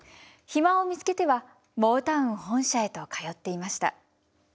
暇を見つけてはモータウン本社へと通っていました。